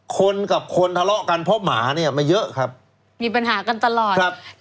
คนกับคนทะเลาะกันเพราะหมาเนี่ยไม่เยอะครับมีปัญหากันตลอดครับ